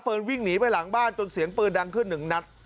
วิ่งหนีไปหลังบ้านจนเสียงปืนดังขึ้นหนึ่งนัด